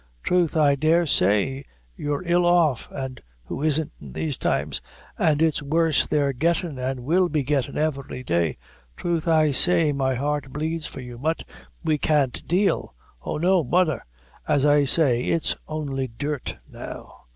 "Troth, I dar' say, you're ill off as who isn't in these times? an' it's worse they're gettin' an' will be gettin' every day. Troth, I say, my heart bleeds for you; but we can't dale; oh, no! butther, as I said, is only dirt now."